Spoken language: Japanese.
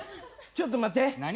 ちょっと待って！